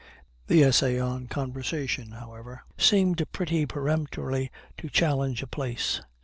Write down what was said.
The Essay on Conversation, however, seemed pretty peremptorily to challenge a place.